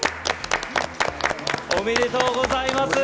おめでとうございます。